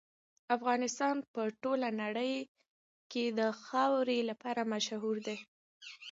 افغانستان په ټوله نړۍ کې د خاورې لپاره مشهور دی.